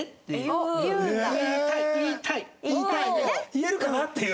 言えるかなっていう。